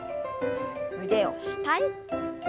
腕を下へ。